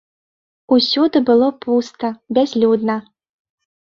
Усюды было пуста, бязлюдна.